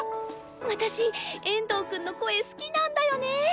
私遠藤くんの声好きなんだよね。